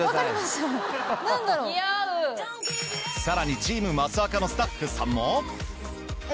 さらにチーム益若のスタッフさんも。